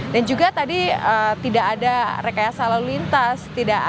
dan juga tadi tidak ada rekayasa lalu lintas